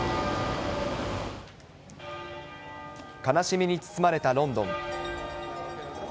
悲しみに包まれたロンドン。